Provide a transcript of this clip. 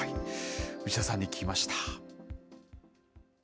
牛田さんに聞きました。